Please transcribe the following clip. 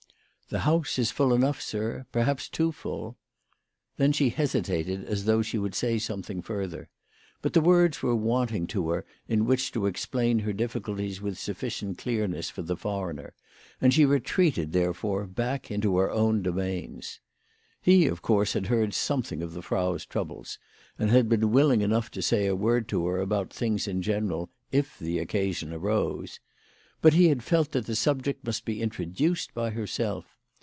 " The house is full enough, sir ; perhaps too full." Then she hesitated as though she would say something further. But the words were wanting to her in which to explain her difficulties with sufficient clearness for the foreigner, and she retreated, therefore, back into her own domains. He, of course, had heard something of the Frau's troubles, and had been willing enough to say a word to her about things in general if the occa sion arose. But he had felt that the subject must be introduced by herself.